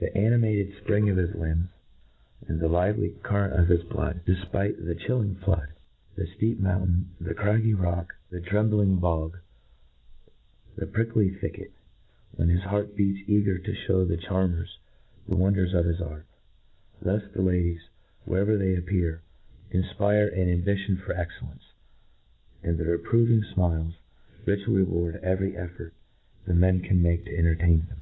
The ani G mated 56 INTRODUCTION.' • mated fpring of his limbs, and the lively cur rent of his bloody defpifc the chilling flood, the fteep mountain,, the craggy lock,. the trembling .bog, the prickly 'thicket,, when his heart beats eager to {hew the charmerS the wonders of his' art. Thus the ladies, wherever they appear, inijpire a^i aJ»bitiori for excellence ; and their ap proving faiiles richly reward every effort the xacxx can make to entertain them.